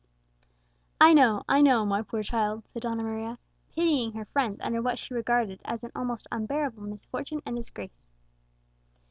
"I know, I know, my poor child," said Donna Maria, pitying her friends under what she regarded as an almost unbearable misfortune and disgrace.